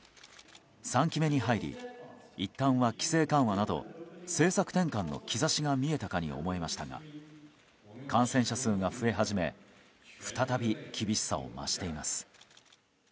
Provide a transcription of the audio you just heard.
３期目に入りいったんは規制緩和など政策転換の兆しが見えたかに思えましたが感染者数が増え始め再び厳しさを増しています。